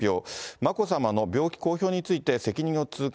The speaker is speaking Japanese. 眞子さまの病気公表について、責任を痛感。